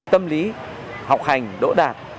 tâm lý học hành đỗ đạt